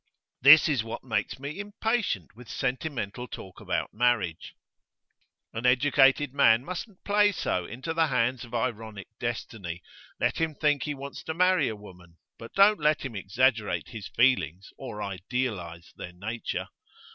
This is what makes me impatient with sentimental talk about marriage. An educated man mustn't play so into the hands of ironic destiny. Let him think he wants to marry a woman; but don't let him exaggerate his feelings or idealise their nature.